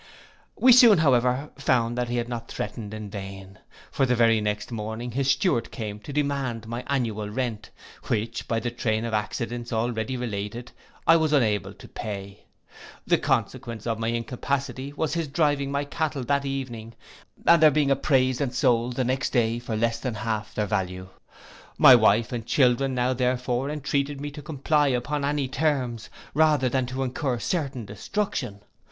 We soon, however, found that he had not threatened in vain; for the very next morning his steward came to demand my annual rent, which, by the train of accidents already related, I was unable to pay. The consequence of my incapacity was his driving my cattle that evening, and their being appraised and sold the next day for less than half their value. My wife and children now therefore entreated me to comply upon any terms, rather than incur certain destruction.